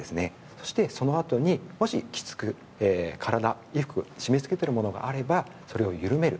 そして、そのあとにもし、きつく体を締め付けている衣服があればそれを緩める。